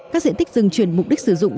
các diện tích rừng chuyển mục đích sử dụng